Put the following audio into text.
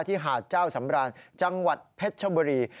หาดเจ้าสำราญจังหวัดเพชรชบุรี